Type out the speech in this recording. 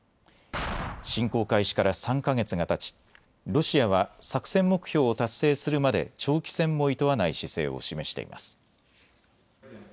侵攻開始から３か月がたちロシアは作戦目標を達成するまで長期戦もいとわない姿勢を示しています。